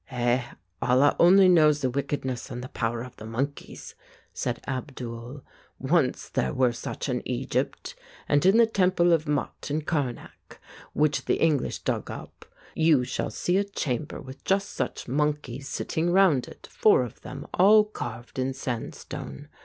"Eh, Allah only knows the wickedness and the power of the monkeys," said Abdul. "Once there were such in Egypt, and in the temple of Mut in Karnak, which the English dug up, you shall see a chamber with just such monkeys sitting round it, four of them, all carved in sandstone.